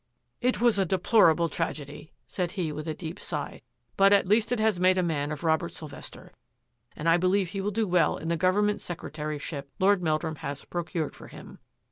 " It was a deplorable tragedy," said he with a deep sigh, "but at least it has made a man of Robert Sylvester, and I believe he will do well in the government secretaryship Lord Meldrum has procured for him."